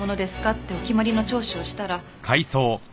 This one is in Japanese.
ってお決まりの聴取をしたら。